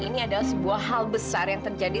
ini adalah sebuah hal besar yang terjadi